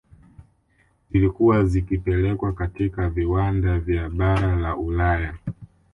Zilikuwa zikipelekwa katika viwanda vya bara la Ulaya